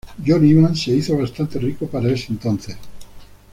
John Evans se hizo bastante rico para ese entonces.